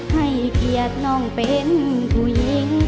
ให้เกียรติน้องเป็นผู้หญิง